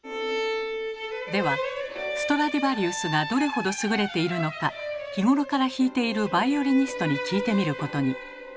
ではストラディヴァリウスがどれほど優れているのか日頃から弾いているバイオリニストに聞いてみることに。